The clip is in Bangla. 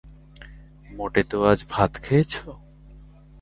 মোটে তো আজ ভাত খেয়েচো?